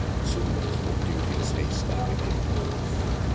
" Soon as with duteous haste I make it known.